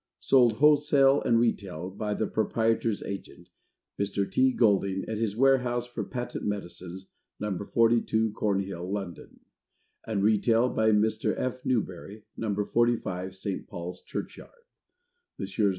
Sold Wholesale and Retail by the Proprietor's Agent, Mr. T. GOLDING, at his Warehouse for Patent Medicines, No. 42, Cornhill, London; and Retail by Mr. F. NEWBERY, No. 45, St. Paul's Church Yard; Messrs.